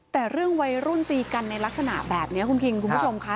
แต่เรื่องวัยรุ่นตีกันในลักษณะแบบนี้คุณคิงคุณผู้ชมค่ะ